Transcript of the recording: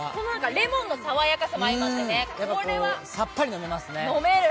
レモンの爽やかさもあってこれはさっぱり飲めますね。